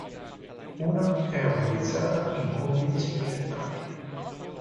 Una è utilizzata in compiti sperimentali.